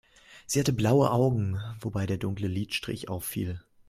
Sie hatte blaue Augen, wobei der dunkle Lidstrich auffiel.